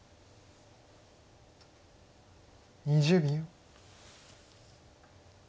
２０秒。